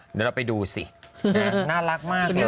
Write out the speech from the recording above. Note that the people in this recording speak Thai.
เดี๋ยวเราไปดูสิน่ารักมากเนี่ย